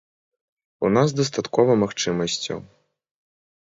У нас дастаткова магчымасцяў.